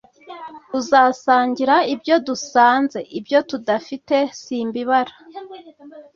Tuzasangira ibyo dusanze ibyo tudafite simbibara